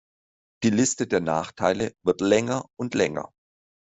Die Liste der Nachteile wird länger und länger.